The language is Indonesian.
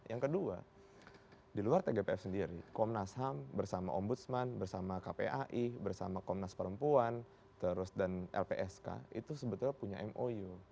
yang kedua di luar tgpf sendiri komnas ham bersama ombudsman bersama kpai bersama komnas perempuan terus dan lpsk itu sebetulnya punya mou